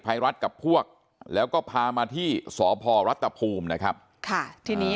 ภัยรัฐกับพวกแล้วก็พามาที่สพรัฐภูมินะครับค่ะทีนี้